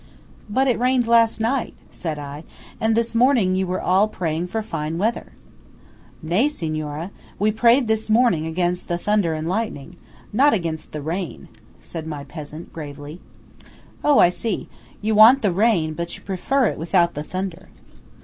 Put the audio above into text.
"But it rained last night," said I, "and this morning you were all praying for fine weather." "Nay, Signora; we prayed this morning against the thunder and lightning–not against the rain," said my peasant gravely. "Oh, I see–you want the rain, but you prefer it without the thunder."